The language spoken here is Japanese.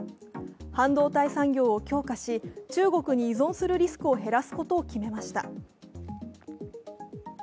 半導体産業を強化し、中国に依存するリスクを減らすことを決めました。